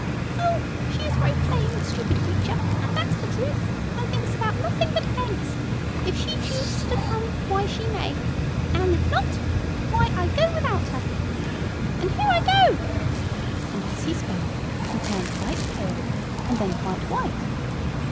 "Oh! she is a very plain stupid creature, and that's the truth; and thinks about nothing but eggs. If she chooses to come, why she may; and if not, why I go without her;—and here I go." And, as he spoke, he turned quite pale, and then quite white.